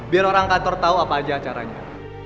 biar orang kantor tahu apa aja acaranya